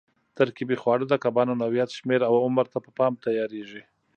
ترکیبي خواړه د کبانو نوعیت، شمېر او عمر ته په پام تیارېږي.